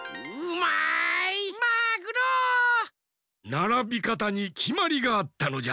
ならびかたにきまりがあったのじゃ。